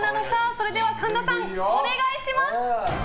それでは神田さん、お願いします。